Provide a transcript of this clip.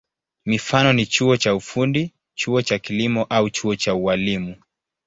Mifano ni chuo cha ufundi, chuo cha kilimo au chuo cha ualimu.